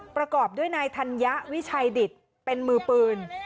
ประกอบด้วยนายธัญญะวิชัยดิตเป็นมือปืน